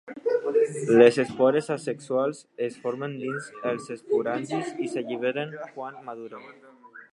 Les espores asexuals es formen dins els esporangis i s'alliberen quan maduren.